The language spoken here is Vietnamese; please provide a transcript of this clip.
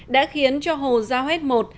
đã khiến cho hồ giao hét một